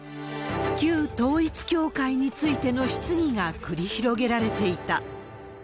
旧統一教会についての質疑が繰り広げられていた。